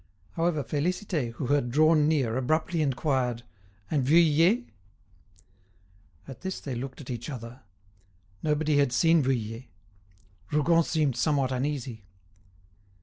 However, Félicité, who had drawn near, abruptly inquired: "And Vuillet?" At this they looked at each other. Nobody had seen Vuillet. Rougon seemed somewhat uneasy.